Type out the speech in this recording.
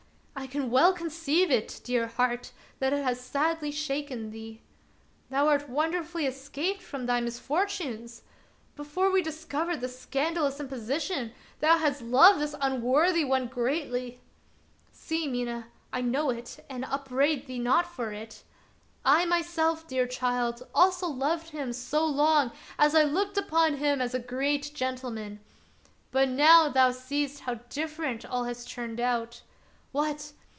I can well conceive it, dear heart, that it has sadly shaken thee. Thou art wonderfully escaped from thy misfortunes ! Before we discovered the scandal ous imposition, thou hadst loved this unworthy one greatly; see, Mina, I know it, and upbraid thee not for it. I myself, dear child, also loved him so long as I looked upon him as a great gentleman. But now thou seest how different all has turned out. What!